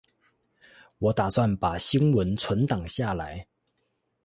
我打算把新聞存檔下來